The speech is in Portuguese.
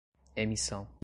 emissão